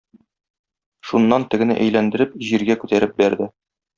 Шуннан тегене әйләндереп җиргә күтәреп бәрде.